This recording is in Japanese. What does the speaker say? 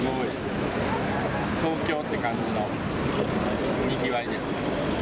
東京って感じのにぎわいですね。